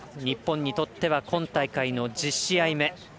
日本にとっては今大会の１０試合目。